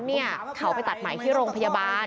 เขาบอกว่าวันนั้นเขาไปตัดไหมที่โรงพยาบาล